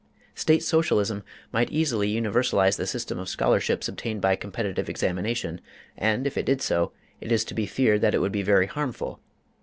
State Socialism might easily universalize the system of scholarships obtained by competitive examination, and if it did so it is to he feared that it would be very harmful.